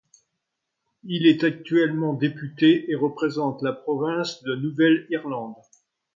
Il est actuellement député, et représente la province de Nouvelle-Irlande.